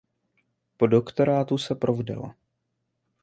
Po doktorátu se provdala.